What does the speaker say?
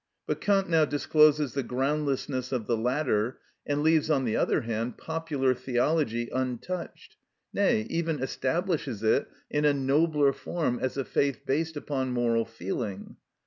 But Kant now discloses the groundlessness of the latter, and leaves, on the other hand, popular theology untouched, nay, even establishes it in a nobler form as a faith based upon moral feeling.